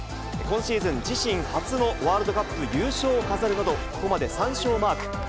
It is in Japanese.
今シーズン、自身初のワールドカップ優勝を飾るなど、ここまで３勝をマーク。